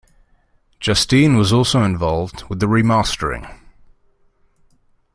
Justine was also involved with the remastering.